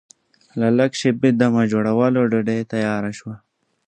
له لږ شېبې دمه جوړولو ډوډۍ تیاره شوه.